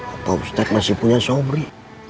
opa ustadz masih punya sobri